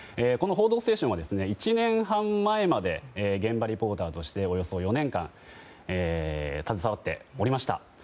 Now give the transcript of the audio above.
この「報道ステーション」は１年半前まで現場リポーターとしておよそ４年間携わっておりました。